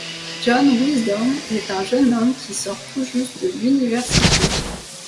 John Wisdom est un jeune homme qui sort tout juste de l'université.